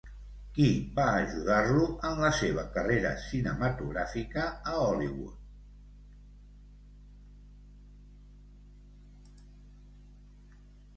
Qui va ajudar-lo en la seva carrera cinematogràfica a Hollywood?